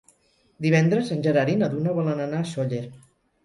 Divendres en Gerard i na Duna volen anar a Sóller.